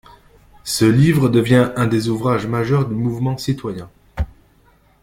Ce livre devint un des ouvrages majeurs du mouvement citoyen.